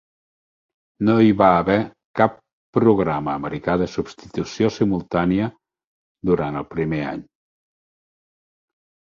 No hi va haver cap programa americà de substitució simultània durant el primer any.